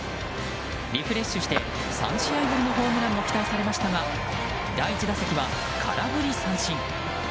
リフレッシュして３試合ぶりのホームランも期待されましたが第１打席は空振り三振。